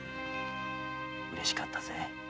うれしかったぜ。